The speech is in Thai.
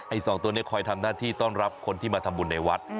สองตัวนี้คอยทำหน้าที่ต้อนรับคนที่มาทำบุญในวัด